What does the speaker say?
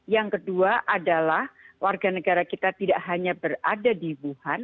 yang kedua adalah warga negara kita tidak hanya berada di wuhan